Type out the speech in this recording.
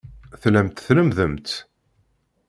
Tellamt tlemmdemt.